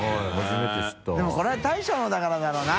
任これは大将のだからだろうな。